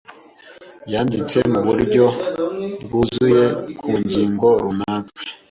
yanditse mu buryo bwuzuye ku ngingo runaka.